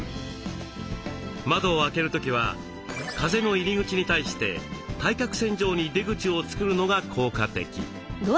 窓を開ける時は風の入り口に対して対角線上に出口を作るのが効果的。